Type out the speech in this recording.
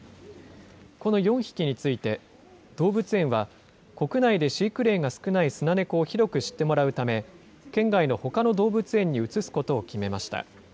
この４匹について、動物園は国内で飼育例が少ないスナネコを広く知ってもらうため、県外のほかの動物園に移すことを決めました。